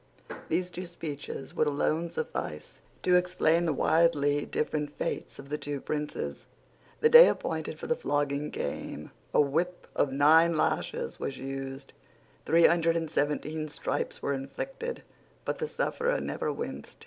These two speeches would alone suffice to explain the widely different fates of the two princes. The day appointed for the flogging came. A whip of nine lashes was used. Three hundred and seventeen stripes were inflicted; but the sufferer never winced.